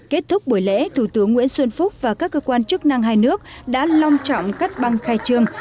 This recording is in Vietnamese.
kết thúc buổi lễ thủ tướng nguyễn xuân phúc và các cơ quan chức năng hai nước đã long trọng cắt băng khai trương